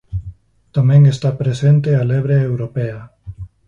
Tamén está presente a lebre europea.